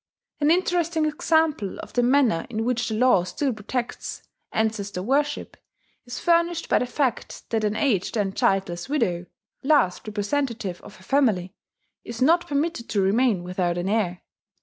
An interesting example of the manner in which the law still protects ancestor worship is furnished by the fact that an aged and childless widow, last representative of her family, is not permitted to remain without an heir.